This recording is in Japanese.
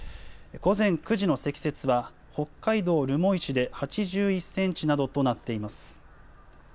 午前９時の積雪は北海道留萌市で８１センチなどとなっています。